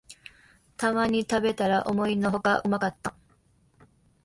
たまに食べたら思いのほかうまかった